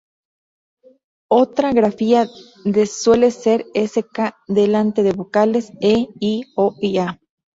Otra grafía de suele ser "sk" delante de vocales "e", "i", "ö" y "ä".